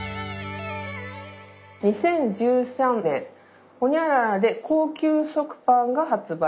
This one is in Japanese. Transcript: ２０１３年ホニャララで高級食パンが発売。